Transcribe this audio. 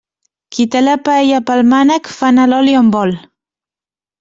Qui té la paella pel mànec, fa anar l'oli on vol.